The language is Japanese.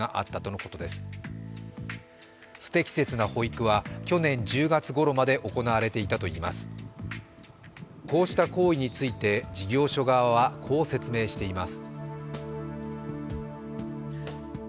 こうした行為について事業所側はこう説明しています。